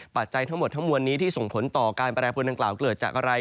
ปัจจัยทั้งหมดทั้งมวลนี้ที่ส่งผลต่อการแปรแผลของบริเวณทางกราวเกิดจากอะไร